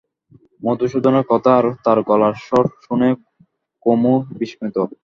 মধুসূদনের কথা আর তার গলার স্বর শুনে কুমু বিস্মিত।